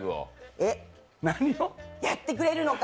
えっ、やってくれるのか？